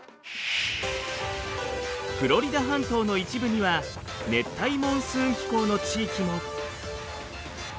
フロリダ半島の一部には熱帯モンスーン気候の地域も。